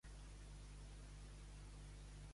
I aleshores, per qui altre requereixen?